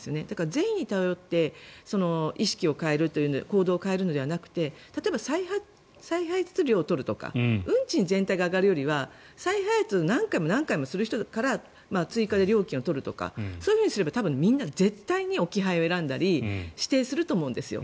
善意に頼って意識を変える行動を変えるのではなくて例えば再配達料を取るとか運賃全体を上げるよりは再配達を何回も何回もする人から追加で料金を取るとかそういうふうにすれば多分みんな絶対に置き配を選んだり指定すると思うんです。